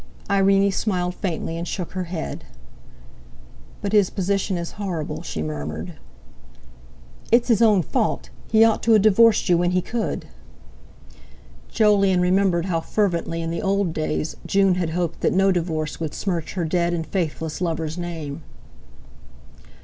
Irene smiled faintly and shook her head. "But his position is horrible," she murmured. "It's his own fault; he ought to have divorced you when he could." Jolyon remembered how fervently in the old days June had hoped that no divorce would smirch her dead and faithless lover's name.